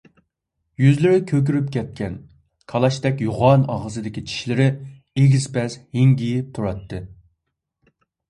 يۈزلىرى كۆكىرىپ كەتكەن، كالاچتەك يوغان ئاغزىدىكى چىشلىرى ئېگىز - پەس ھىڭگىيىپ تۇراتتى.